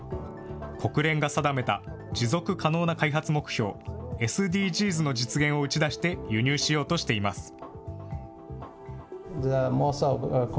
国連が定めた持続可能な開発目標、ＳＤＧｓの実現を打ち出して輸入しようとしています。